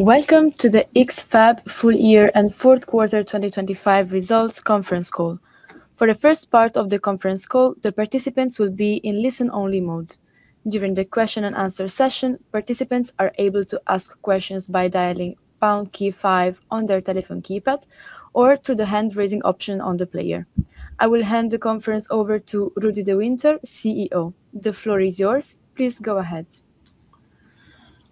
Welcome to the X-FAB Full Year and Fourth Quarter 2025 Results Conference Call. For the first part of the conference call, the participants will be in listen-only mode. During the question and answer session, participants are able to ask questions by dialing pound key five on their telephone keypad, or through the hand-raising option on the player. I will hand the conference over to Rudi De Winter, CEO. The floor is yours. Please go ahead.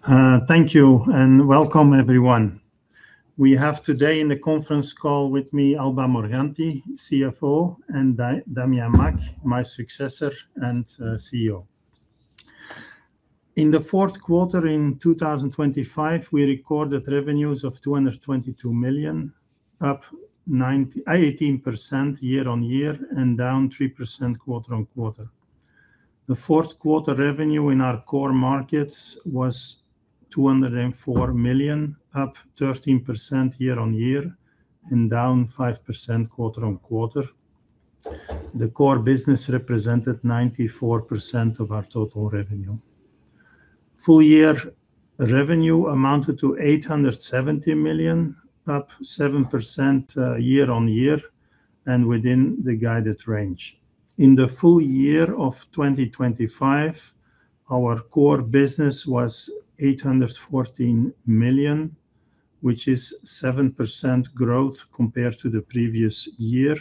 Thank you, and welcome, everyone. We have today in the conference call with me, Alba Morganti, CFO, and Damien Macq, my successor and CEO. In the fourth quarter in 2025, we recorded revenues of 222 million, up 18% year-on-year and down 3% quarter-on-quarter. The fourth quarter revenue in our core markets was 204 million, up 13% year-on-year and down 5% quarter-on-quarter. The core business represented 94% of our total revenue. Full year revenue amounted to 870 million, up 7% year-on-year, and within the guided range. In the full year of 2025, our core business was 814 million, which is 7% growth compared to the previous year,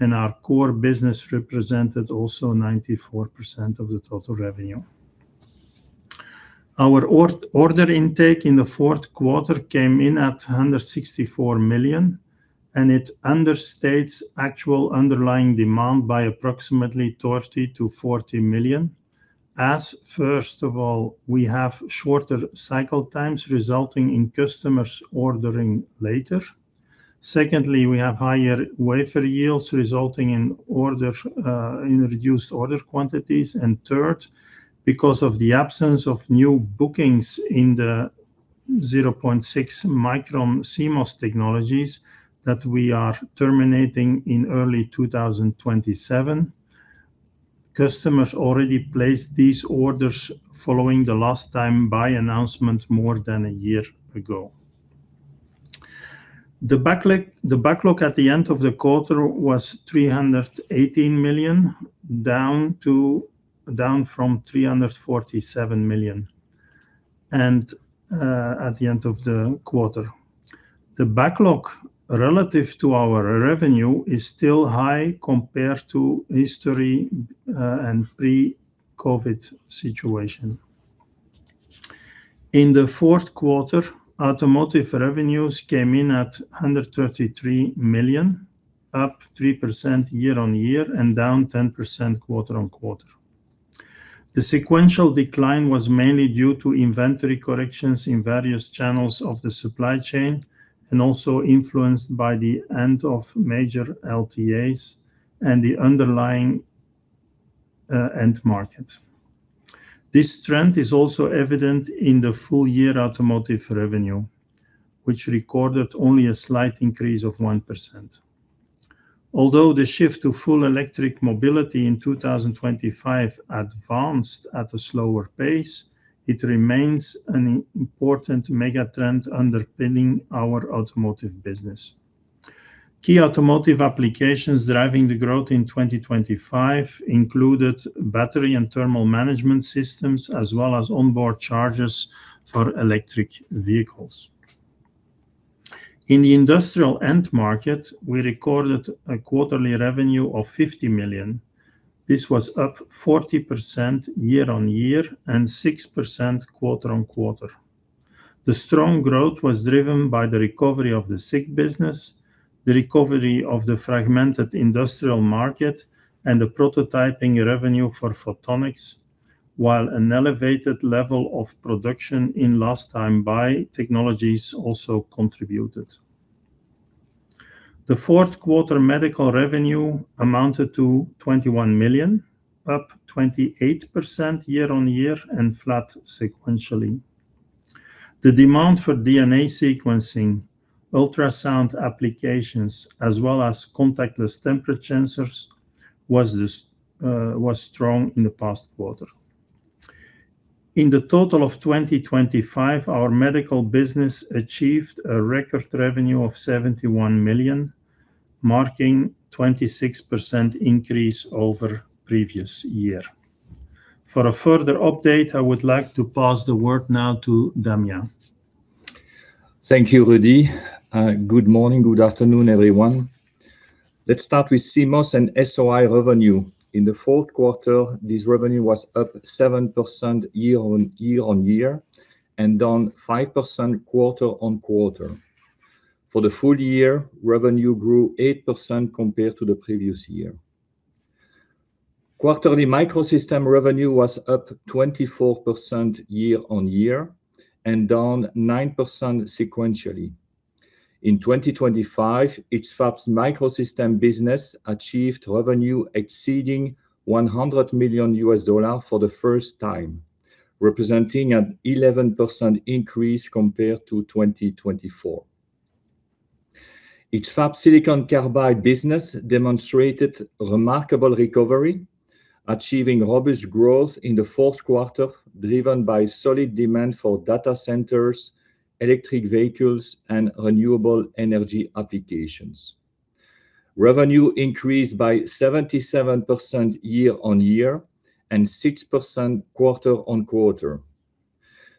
and our core business represented also 94% of the total revenue. Our order intake in the fourth quarter came in at 164 million, and it understates actual underlying demand by approximately 30 million-40 million. First of all, we have shorter cycle times, resulting in customers ordering later. Secondly, we have higher wafer yields, resulting in reduced order quantities. And third, because of the absence of new bookings in the 0.6 micron CMOS technologies that we are terminating in early 2027, customers already placed these orders following the last time buy announcement more than a year ago. The backlog at the end of the quarter was 318 million, down from 347 million, and at the end of the quarter. The backlog relative to our revenue is still high compared to history, and pre-COVID situation. In the fourth quarter, automotive revenues came in at 133 million, up 3% year-on-year and down 10% quarter-on-quarter. The sequential decline was mainly due to inventory corrections in various channels of the supply chain and also influenced by the end of major LTAs and the underlying end market. This trend is also evident in the full year automotive revenue, which recorded only a slight increase of 1%. Although the shift to full electric mobility in 2025 advanced at a slower pace, it remains an important mega trend underpinning our automotive business. Key automotive applications driving the growth in 2025 included battery and thermal management systems, as well as onboard chargers for electric vehicles. In the industrial end market, we recorded a quarterly revenue of 50 million. This was up 40% year-on-year and 6% quarter-on-quarter. The strong growth was driven by the recovery of the SiC business, the recovery of the fragmented industrial market, and the prototyping revenue for photonics, while an elevated level of production in last time buy technologies also contributed. The fourth quarter medical revenue amounted to 21 million, up 28% year-on-year and flat sequentially. The demand for DNA sequencing, ultrasound applications, as well as contactless temperature sensors was strong in the past quarter. In 2025, our medical business achieved a record revenue of 71 million, marking a 26% increase over previous year. For a further update, I would like to pass the word now to Damien. Thank you, Rudi. Good morning, good afternoon, everyone. Let's start with CMOS and SOI revenue. In the fourth quarter, this revenue was up 7% year-on-year and down 5% quarter-on-quarter. For the full year, revenue grew 8% compared to the previous year. Quarterly microsystem revenue was up 24% year-on-year and down 9% sequentially. In 2025, X-FAB microsystem business achieved revenue exceeding $100 million for the first time, representing an 11% increase compared to 2024. X-FAB silicon carbide business demonstrated remarkable recovery, achieving robust growth in the fourth quarter, driven by solid demand for data centers, electric vehicles, and renewable energy applications. Revenue increased by 77% year-on-year and 6% quarter-on-quarter.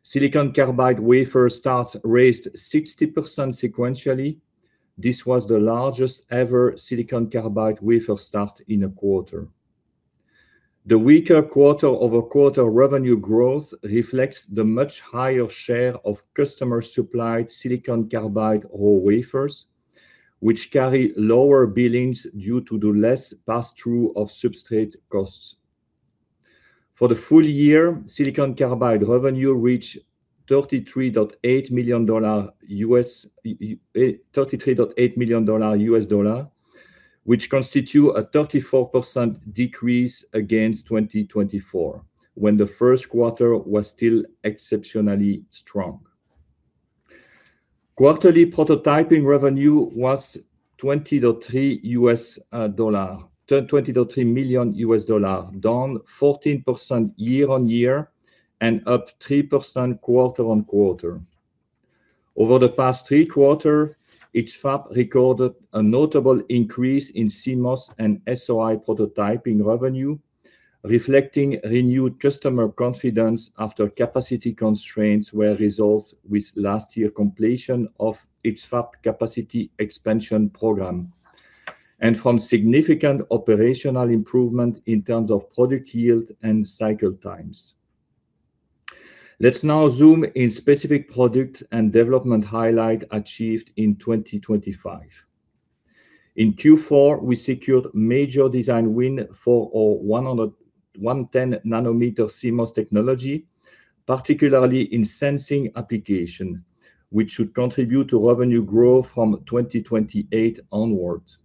Silicon carbide wafer starts raised 60% sequentially. This was the largest-ever Silicon Carbide wafer start in a quarter. The weaker quarter-on-quarter revenue growth reflects the much higher share of customer-supplied Silicon Carbide raw wafers, which carry lower billings due to the less pass-through of substrate costs. For the full year, Silicon Carbide revenue reached $33.8 million, $33.8 million U.S. dollar, which constitute a 34% decrease against 2024, when the first quarter was still exceptionally strong. Quarterly prototyping revenue was $20.3 million, $20.3 million US dollar, down 14% year-on-year and up 3% quarter-on-quarter. Over the past three quarters, X-FAB recorded a notable increase in CMOS and SOI prototyping revenue, reflecting renewed customer confidence after capacity constraints were resolved with last year's completion of X-FAB capacity expansion program and from significant operational improvement in terms of product yield and cycle times. Let's now zoom in on specific product and development highlights achieved in 2025. In Q4, we secured a major design win for our 110-nanometer CMOS technology, particularly in sensing applications, which should contribute to revenue growth from 2028 onwards.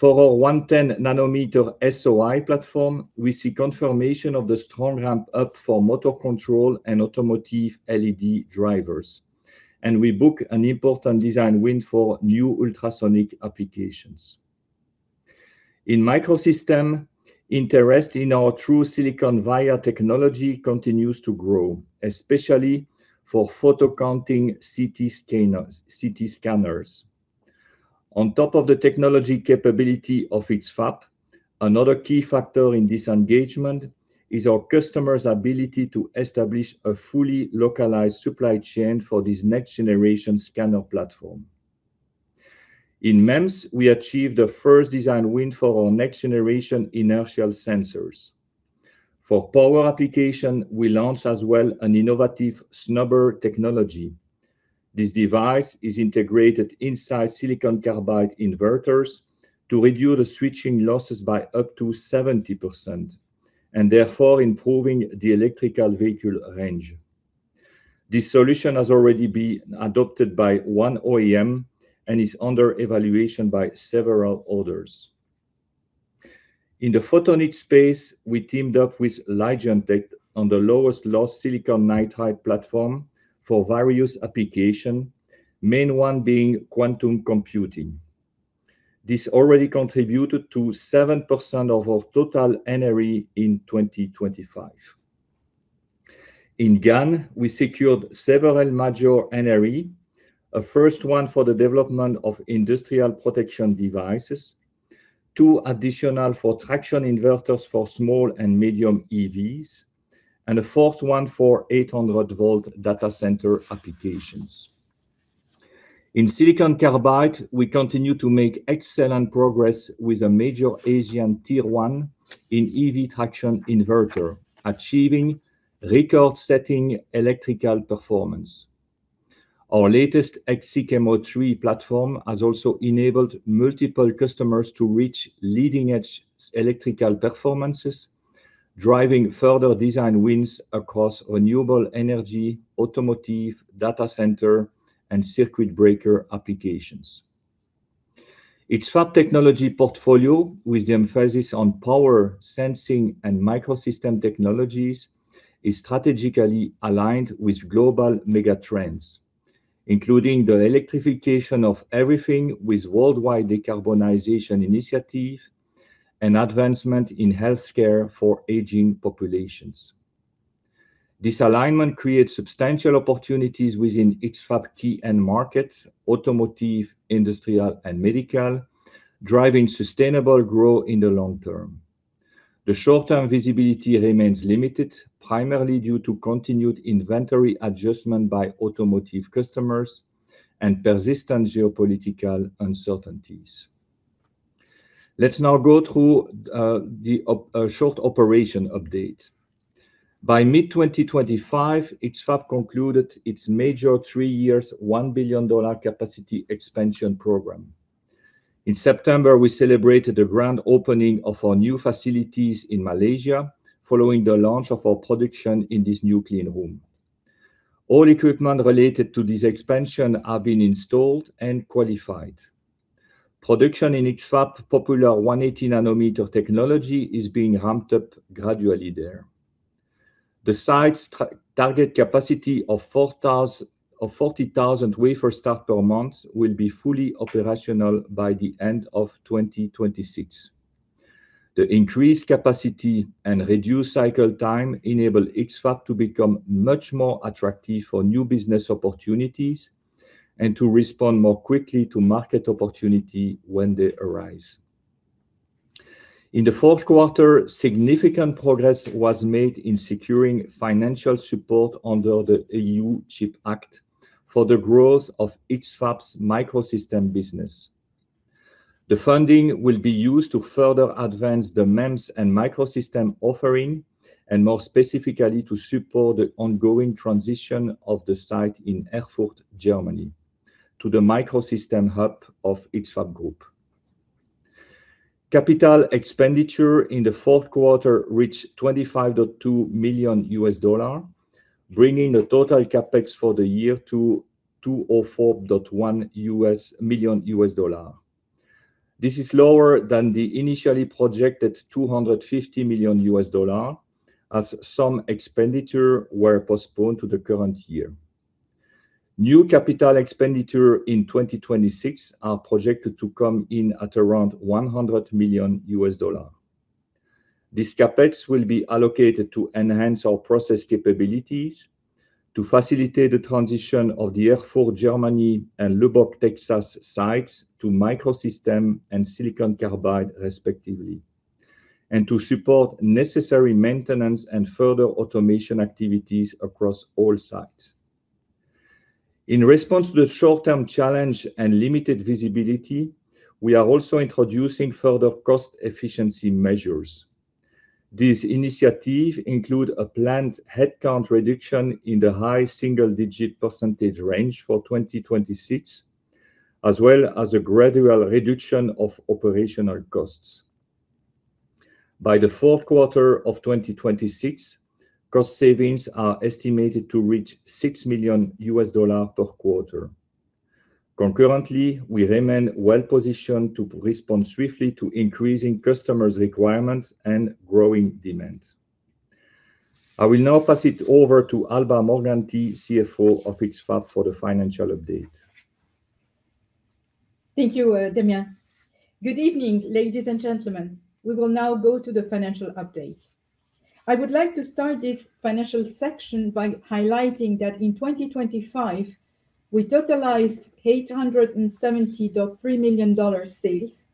For our 110-nanometer SOI platform, we see confirmation of the strong ramp-up for motor control and automotive LED drivers, and we booked an important design win for new ultrasonic applications. In Microsystems, interest in our through-silicon via technology continues to grow, especially for photon-counting CT scanners, CT scanners. On top of the technology capability of X-FAB, another key factor in this engagement is our customers' ability to establish a fully localized supply chain for this next-generation scanner platform. In MEMS, we achieved the first design win for our next-generation inertial sensors. For power application, we launched as well an innovative snubber technology. This device is integrated inside silicon carbide inverters to reduce the switching losses by up to 70%, and therefore improving the electric vehicle range. This solution has already been adopted by one OEM and is under evaluation by several others. In the photonics space, we teamed up with LIGENTEC on the lowest-loss silicon nitride platform for various applications, the main one being quantum computing. This already contributed to 7% of our total NRE in 2025. In GaN, we secured several major NRE, a first one for the development of industrial protection devices, two additional for traction inverters for small and medium EVs, and a fourth one for 800-volt data center applications. In silicon carbide, we continue to make excellent progress with a major Asian Tier One in EV traction inverter, achieving record-setting electrical performance. Our latest XSICM03 platform has also enabled multiple customers to reach leading-edge electrical performances, driving further design wins across renewable energy, automotive, data center, and circuit breaker applications. X-FAB technology portfolio, with the emphasis on power, sensing, and microsystem technologies, is strategically aligned with global mega trends, including the electrification of everything with worldwide decarbonization initiative and advancement in healthcare for aging populations. This alignment creates substantial opportunities within X-FAB key end markets, automotive, industrial, and medical, driving sustainable growth in the long term. The short-term visibility remains limited, primarily due to continued inventory adjustment by automotive customers and persistent geopolitical uncertainties. Let's now go through the operational update. By mid-2025, X-FAB concluded its major three years, $1 billion capacity expansion program. In September, we celebrated the grand opening of our new facilities in Malaysia, following the launch of our production in this new clean room. All equipment related to this expansion have been installed and qualified. Production in X-FAB popular 180-nanometer technology is being ramped up gradually there. The site's target capacity of 40,000 wafer starts per month will be fully operational by the end of 2026. The increased capacity and reduced cycle time enable X-FAB to become much more attractive for new business opportunities and to respond more quickly to market opportunity when they arise. In the fourth quarter, significant progress was made in securing financial support under the EU Chips Act for the growth of X-FAB's microsystem business. The funding will be used to further advance the MEMS and microsystem offering, and more specifically, to support the ongoing transition of the site in Erfurt, Germany, to the microsystem hub of X-FAB Group. Capital expenditure in the fourth quarter reached $25.2 million, bringing the total CapEx for the year to $204.1 million. This is lower than the initially projected $250 million, as some expenditure were postponed to the current year. New capital expenditure in 2026 are projected to come in at around $100 million. This CapEx will be allocated to enhance our process capabilities, to facilitate the transition of the Erfurt, Germany, and Lubbock, Texas, sites to microsystem and silicon carbide, respectively, and to support necessary maintenance and further automation activities across all sites. In response to the short-term challenge and limited visibility, we are also introducing further cost efficiency measures. These initiatives include a planned headcount reduction in the high single-digit percentage range for 2026, as well as a gradual reduction of operational costs. By the fourth quarter of 2026, cost savings are estimated to reach $6 million per quarter. Concurrently, we remain well positioned to respond swiftly to increasing customers' requirements and growing demands. I will now pass it over to Alba Morganti, CFO of X-FAB, for the financial update. Thank you, Damien. Good evening, ladies and gentlemen. We will now go to the financial update. I would like to start this financial section by highlighting that in 2025, we totalized $873 million sales,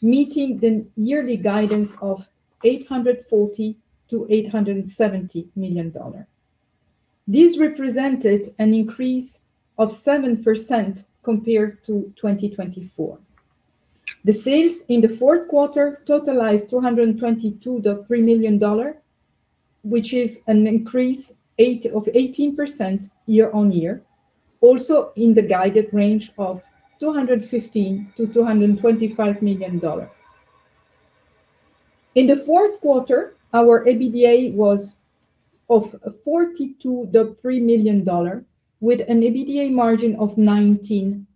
meeting the yearly guidance of $840 million-$870 million. This represented an increase of 7% compared to 2024. The sales in the fourth quarter totalized $222.3 million, which is an increase of 18% year-on-year, also in the guided range of $215 million-$225 million. In the fourth quarter, our EBITDA was $42.3 million, with an EBITDA margin of 19%.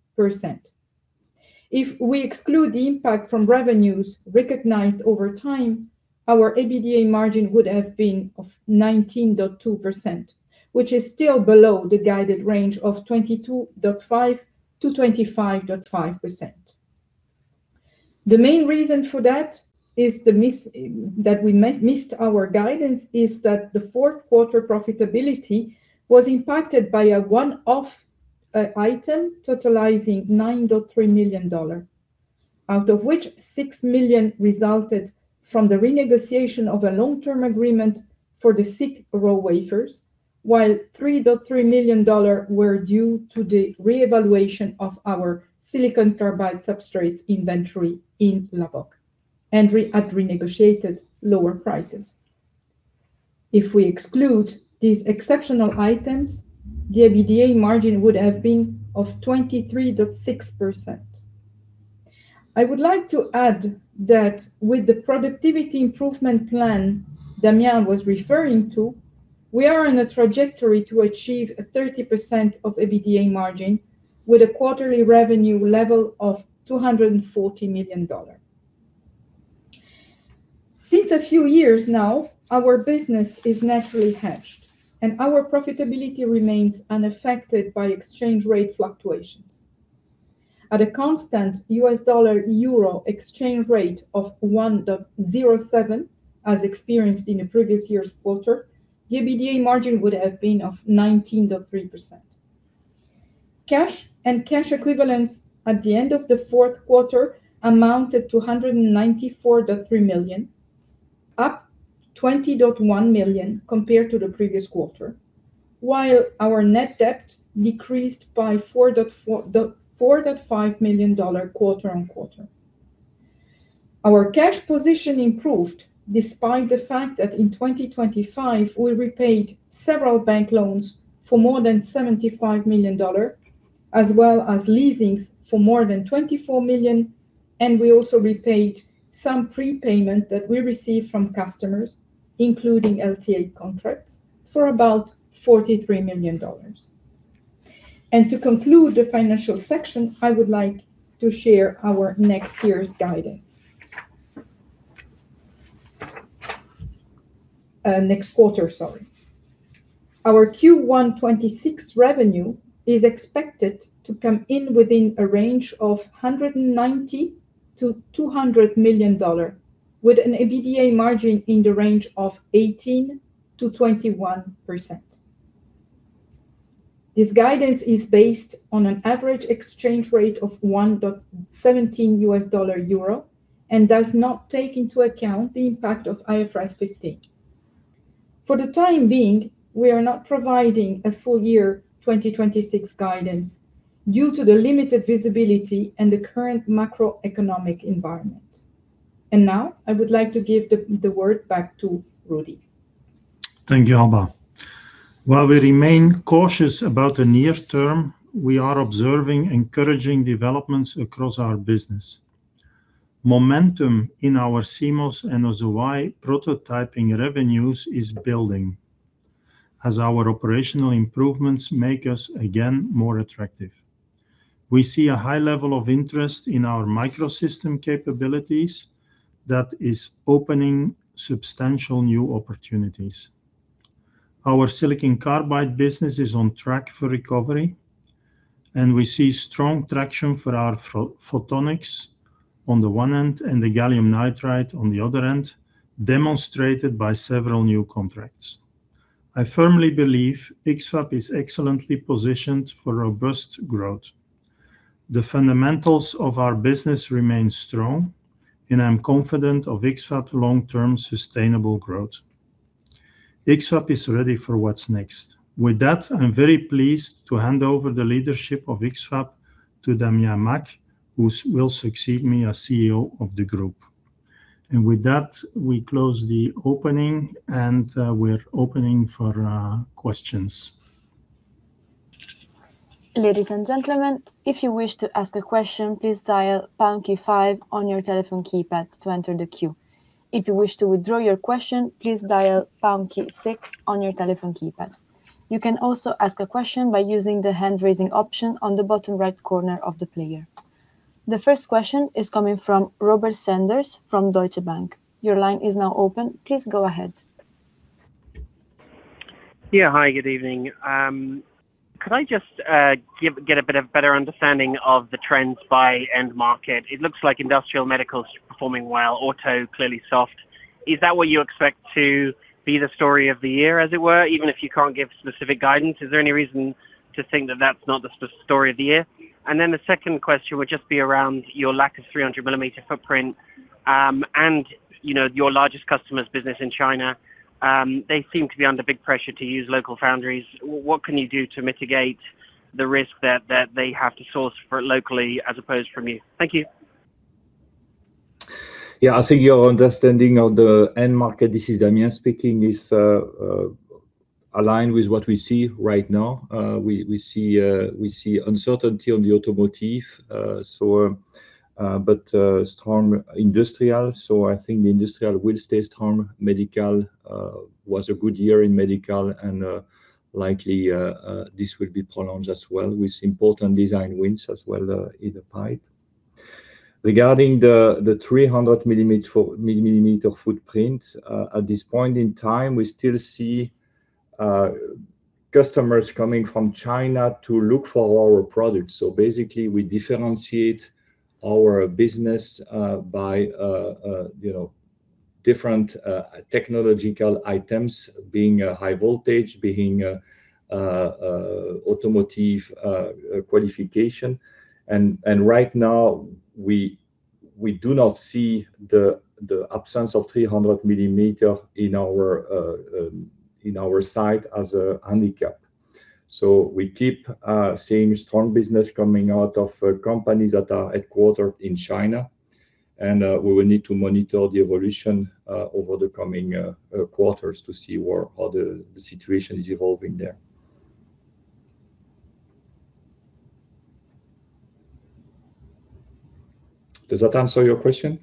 If we exclude the impact from revenues recognized over time, our EBITDA margin would have been of 19.2%, which is still below the guided range of 22.5%-25.5%. The main reason for that is the miss that we missed our guidance is that the fourth quarter profitability was impacted by a one-off item totalizing $9.3 million, out of which $6 million resulted from the renegotiation of a long-term agreement for the SiC raw wafers, while $3.3 million were due to the reevaluation of our silicon carbide substrates inventory in Lubbock and at renegotiated lower prices. If we exclude these exceptional items, the EBITDA margin would have been of 23.6%. I would like to add that with the productivity improvement plan Damien was referring to, we are on a trajectory to achieve a 30% EBITDA margin, with a quarterly revenue level of $240 million. Since a few years now, our business is naturally hedged, and our profitability remains unaffected by exchange rate fluctuations. At a constant U.S. dollar-euro exchange rate of 1.07, as experienced in the previous year's quarter, the EBITDA margin would have been 19.3%. Cash and cash equivalents at the end of the fourth quarter amounted to $194.3 million, up $20.1 million compared to the previous quarter, while our net debt decreased by $4.5 million quarter-on-quarter. Our cash position improved despite the fact that in 2025, we repaid several bank loans for more than $75 million, as well as leases for more than $24 million, and we also repaid some prepayment that we received from customers, including LTA contracts, for about $43 million. And to conclude the financial section, I would like to share our next year's guidance. Next quarter, sorry. Our Q1 2026 revenue is expected to come in within a range of $190 million-$200 million, with an EBITDA margin in the range of 18%-21%. This guidance is based on an average exchange rate of 1.17 U.S. dollar Euro, and does not take into account the impact of IFRS 15. For the time being, we are not providing a full-year 2026 guidance due to the limited visibility and the current macroeconomic environment. And now, I would like to give the, the word back to Rudi. Thank you, Alba. While we remain cautious about the near term, we are observing encouraging developments across our business. Momentum in our CMOS and SOI prototyping revenues is building, as our operational improvements make us again, more attractive. We see a high level of interest in our microsystem capabilities that is opening substantial new opportunities. Our silicon carbide business is on track for recovery, and we see strong traction for our photonics on the one hand, and the gallium nitride on the other hand, demonstrated by several new contracts. I firmly believe X-FAB is excellently positioned for robust growth. The fundamentals of our business remain strong, and I'm confident of X-FAB long-term sustainable growth. X-FAB is ready for what's next. With that, I'm very pleased to hand over the leadership of X-FAB to Damien Macq, who will succeed me as CEO of the group. With that, we close the opening, and we're opening for questions. Ladies and gentlemen, if you wish to ask a question, please dial pound key five on your telephone keypad to enter the queue. If you wish to withdraw your question, please dial pound key six on your telephone keypad. You can also ask a question by using the hand-raising option on the bottom right corner of the player. The first question is coming from Robert Sanders from Deutsche Bank. Your line is now open. Please go ahead. Yeah, hi, good evening. Could I just get a bit of better understanding of the trends by end market? It looks like industrial medical is performing well, auto, clearly soft. Is that what you expect to be the story of the year, as it were, even if you can't give specific guidance, is there any reason to think that that's not the story of the year? And then the second question would just be around your lack of 300-millimeter footprint, and you know, your largest customer's business in China. They seem to be under big pressure to use local foundries. What can you do to mitigate the risk that they have to source locally as opposed from you? Thank you. Yeah, I think your understanding of the end market, this is Damien speaking, is aligned with what we see right now. We see uncertainty on the automotive, so, but strong industrial. So I think the industrial will stay strong. Medical was a good year in medical and likely this will be prolonged as well, with important design wins as well in the pipe. Regarding the 300-millimeter footprint, at this point in time, we still see customers coming from China to look for our products. So basically, we differentiate our business by, you know, different technological items, being a high voltage, being automotive qualification. Right now, we do not see the absence of 300 millimeter in our site as a handicap. So we keep seeing strong business coming out of companies that are headquartered in China, and we will need to monitor the evolution over the coming quarters to see where how the situation is evolving there. Does that answer your question?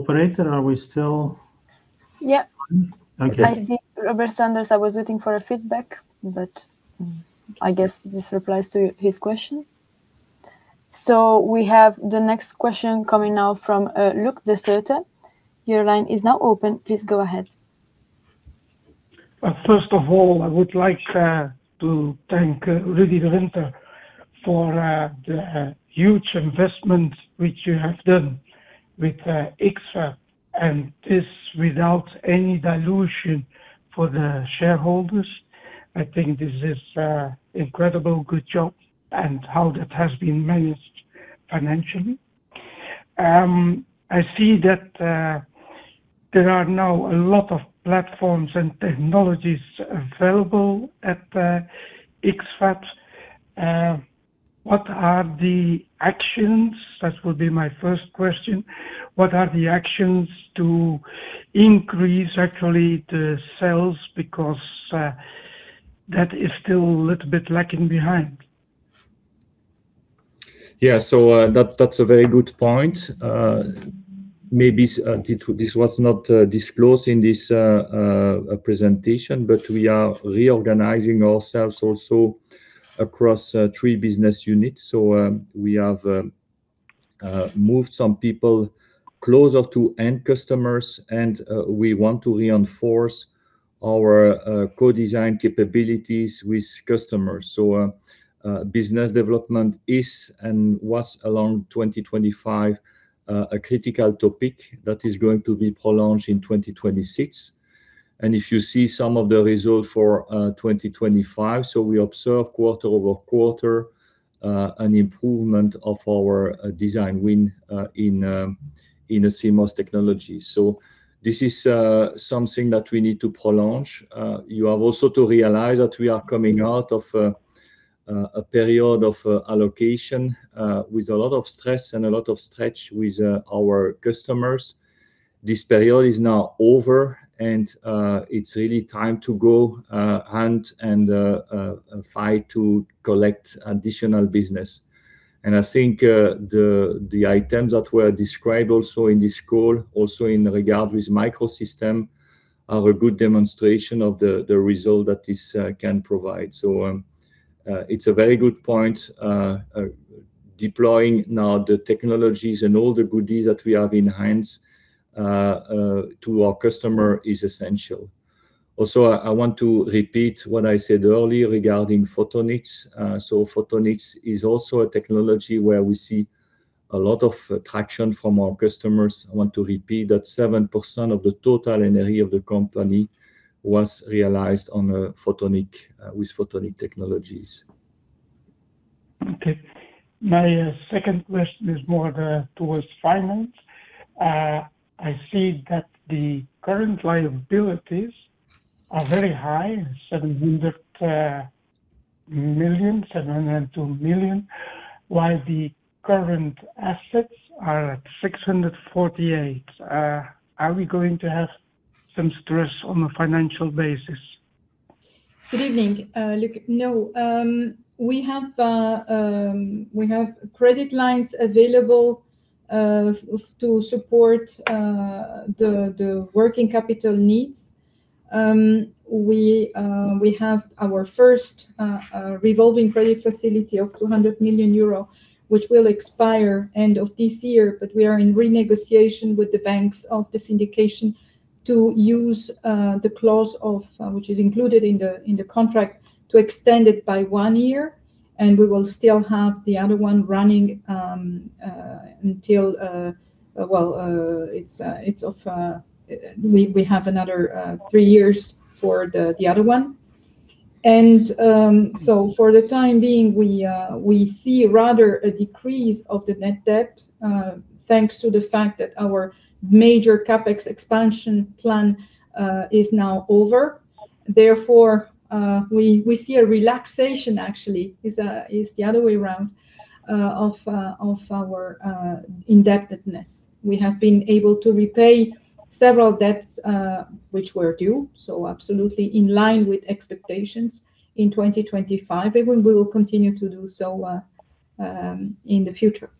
Operator, are we still- Yeah. Okay. I see Robert Sanders. I was waiting for a feedback, but I guess this replies to his question. So we have the next question coming now from Lucas de Soto. Your line is now open. Please go ahead. First of all, I would like to thank Rudi De Winter for the huge investment which you have done with X-FAB, and this without any dilution for the shareholders. I think this is incredible good job and how that has been managed financially. I see that there are now a lot of platforms and technologies available at X-FAB. What are the actions? That would be my first question: What are the actions to increase actually the sales? Because that is still a little bit lacking behind? Yeah, so, that, that's a very good point. Maybe this, this was not disclosed in this presentation, but we are reorganizing ourselves also across three business units. So, we have moved some people closer to end customers, and we want to reinforce our co-design capabilities with customers. So, business development is and was, around 2025, a critical topic that is going to be prolonged in 2026. And if you see some of the result for 2025, so we observe quarter-over-quarter an improvement of our design win in in a CMOS technology. So this is something that we need to prolong. You have also to realize that we are coming out of a period of allocation with a lot of stress and a lot of stretch with our customers. This period is now over, and it's really time to go hunt and fight to collect additional business. And I think the items that were described also in this call, also in regard with microsystems, are a good demonstration of the result that this can provide. So, it's a very good point. Deploying now the technologies and all the goodies that we have in hands to our customer is essential. Also, I want to repeat what I said earlier regarding photonics. So photonics is also a technology where we see a lot of traction from our customers. I want to repeat that 7% of the total energy of the company was realized on photonics, with photonic technologies. Okay. My second question is more towards finance. I see that the current liabilities are very high, 702 million, while the current assets are at 648 million. Are we going to have some stress on a financial basis? Good evening. Look, no, we have credit lines available to support the working capital needs. We have our first revolving credit facility of 200 million euro, which will expire end of this year, but we are in renegotiation with the banks of the syndication to use the clause which is included in the contract to extend it by one year, and we will still have the other one running until well, it's of... We have another three years for the other one. So for the time being, we see rather a decrease of the net debt, thanks to the fact that our major CapEx expansion plan is now over. Therefore, we see a relaxation, actually, is the other way around, of our indebtedness. We have been able to repay several debts, which were due, so absolutely in line with expectations in 2025, and we will continue to do so, in the future.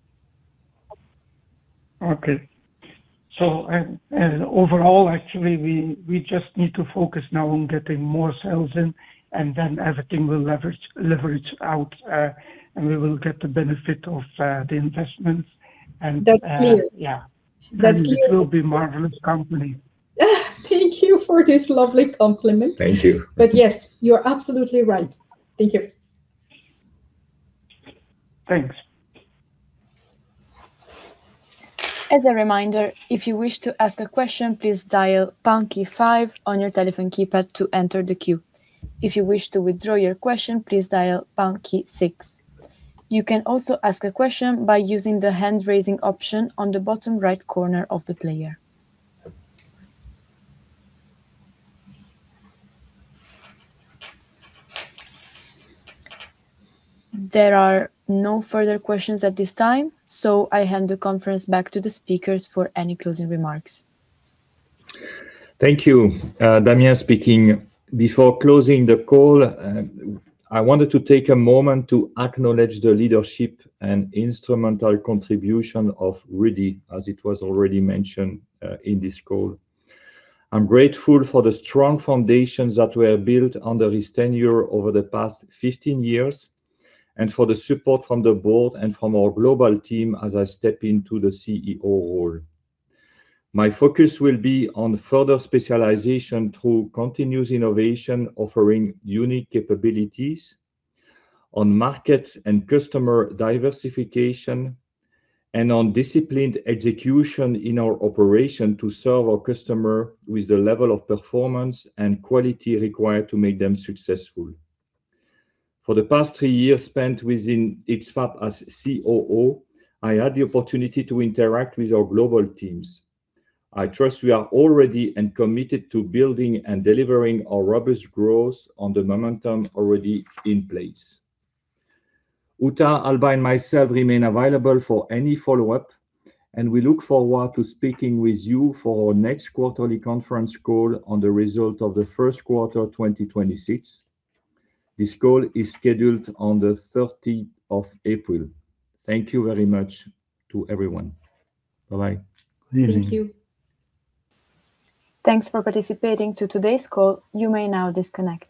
Okay. So overall, actually, we just need to focus now on getting more sales in, and then everything will leverage out, and we will get the benefit of the investments, and- That's clear. Yeah. That's clear. It will be marvelous company. Thank you for this lovely compliment. Thank you. Yes, you're absolutely right. Thank you. Thanks. As a reminder, if you wish to ask a question, please dial pound key five on your telephone keypad to enter the queue. If you wish to withdraw your question, please dial pound key six. You can also ask a question by using the hand-raising option on the bottom right corner of the player. There are no further questions at this time, so I hand the conference back to the speakers for any closing remarks. Thank you. Damien speaking. Before closing the call, I wanted to take a moment to acknowledge the leadership and instrumental contribution of Rudi, as it was already mentioned, in this call. I'm grateful for the strong foundations that were built under his tenure over the past 15 years, and for the support from the board and from our global team as I step into the CEO role. My focus will be on further specialization through continuous innovation, offering unique capabilities on markets and customer diversification, and on disciplined execution in our operation to serve our customer with the level of performance and quality required to make them successful. For the past three years spent within X-FAB as COO, I had the opportunity to interact with our global teams. I trust we are all ready and committed to building and delivering a robust growth on the momentum already in place. Uta, Alba, and myself remain available for any follow-up, and we look forward to speaking with you for our next quarterly conference call on the results of the first quarter, 2026. This call is scheduled on the 13th of April. Thank you very much to everyone. Bye-bye. Thank you. Thanks for participating to today's call. You may now disconnect.